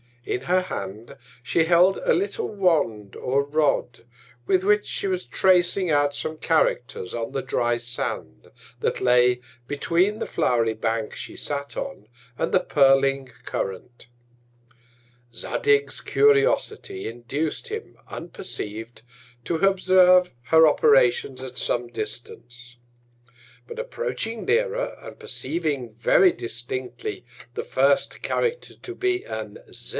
In her Hand she held a little Wand or Rod, with which she was tracing out some Characters on the dry Sand, that lay between the flow'ry Bank she sat on, and the purling Current. Zadig's Curiosity induc'd him, unperceiv'd, to observe her Operations at some Distance. But approaching nearer, and perceiving very distinctly the first Character to be an Z.